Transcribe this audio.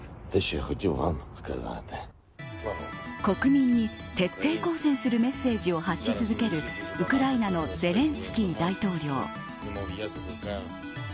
国民に徹底抗戦するメッセージを発し続けるウクライナのゼレンスキー大統領。